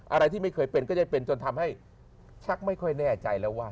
อะไรที่ไม่เคยเป็นก็จะเป็นจนทำให้ชักไม่ค่อยแน่ใจแล้วว่า